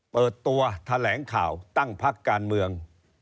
เปิดตัวแถลงข่าวตั้งพักการเมือง